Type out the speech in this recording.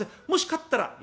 もし勝ったら」。